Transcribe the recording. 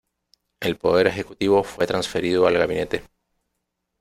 El poder ejecutivo fue transferido al gabinete.